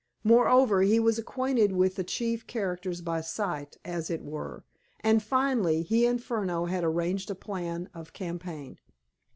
Moreover, he was acquainted with the chief characters by sight, as it were. And, finally, he and Furneaux had arranged a plan of campaign.